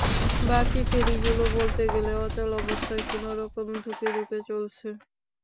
বাকি ফেরিগুলো বলতে গেলে অচল অবস্থায় কোনো রকমে ধুঁকে ধুঁকে চলছে।